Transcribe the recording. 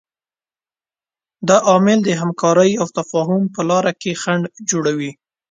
دا عامل د همکارۍ او تفاهم په لاره کې خنډ جوړوي.